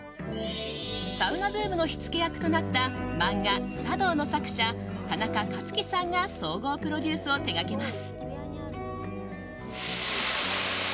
サウナブームの火付け役となった漫画「サ道」の作者タナカカツキさんが総合プロデュースを手掛けます。